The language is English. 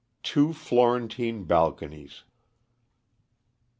"] TWO FLORENTINE BALCONIES.